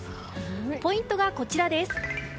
ポイントがこちらです。